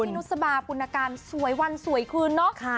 พี่นุสบาผลการสวยวันสวยคืนน่ะ